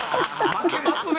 負けますね！」